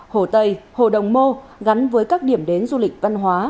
hồ tây hồ đồng mô gắn với các điểm đến du lịch văn hóa